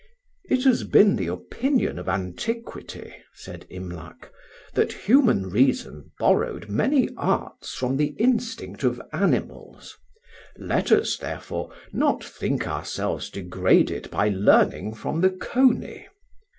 "It has been the opinion of antiquity," said Imlac, "that human reason borrowed many arts from the instinct of animals; let us, therefore, not think ourselves degraded by learning from the coney.